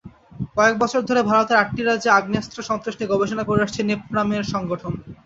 কয়েক বছর ধরে ভারতের আটটি রাজ্যে আগ্নেয়াস্ত্র-সন্ত্রাস নিয়ে গবেষণা করে আসছে নেপরামের সংগঠন।